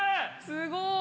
◆すごい。